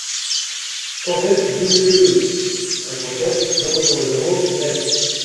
cent sept rue de Queuleu, cinquante-sept, zéro zéro zéro, Metz